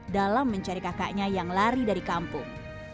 dalam mencari kakaknya yang lari dari kampung